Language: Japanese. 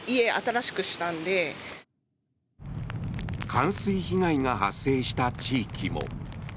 冠水被害が発生した地域も。